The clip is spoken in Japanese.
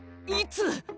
いつ？